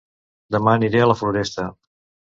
Dema aniré a La Floresta